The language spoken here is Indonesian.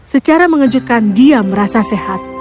secara mengejutkan dia merasa sehat